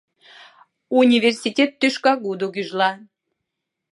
Университет тӱшкагудо гӱжла.